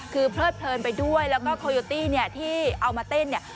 คือเพลิดเพลินไปด้วยแล้วก็โคโยตี้เนี่ยที่เอามาเต้นเนี่ย